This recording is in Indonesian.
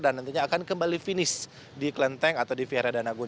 dan nantinya akan kembali finish di kelenteng atau di vihara danagun